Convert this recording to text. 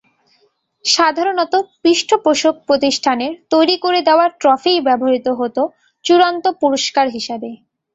সাধারণত পৃষ্ঠপোষক প্রতিষ্ঠানের তৈরি করে দেওয়া ট্রফিই ব্যবহৃত হতো চূড়ান্ত পুরস্কার হিসেবে।